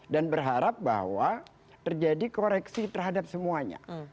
dan berharap bahwa terjadi koreksi terhadap semuanya